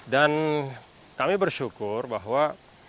dan kami bersyukur bahwa